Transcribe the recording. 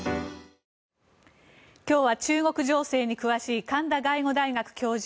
今日は中国情勢に詳しい神田外語大学教授